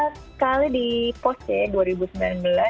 sekali dipost ya dua ribu sembilan belas